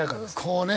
こうね。